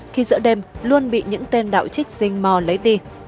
khi giữa đêm luôn bị những tên đạo trích dinh mò lấy đi